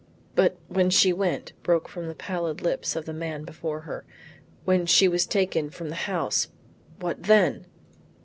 "But, when she went," broke from the pallid lips of the man before her, "when she was taken away from the house, what then?"